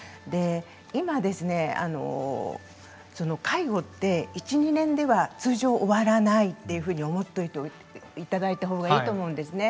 今、介護って１、２年では通常、終わらないというふうに思っておいていただいたほうがいいと思うんです。